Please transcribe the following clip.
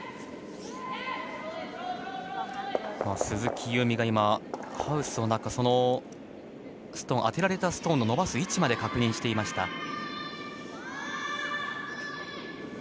鈴木夕湖がハウスの中で当てられたストーンの伸ばす位置まで確認していました。